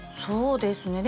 そうですか